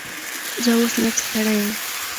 زه اوس لږ ستړی یم.